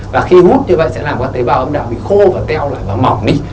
và khi hút như vậy sẽ làm các tế bào âm đạo bị khô và teo lại và mỏng đi